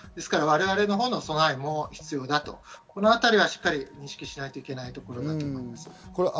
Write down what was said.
我々の備えも必要だとこのあたりはしっかり認識しないといけないところです。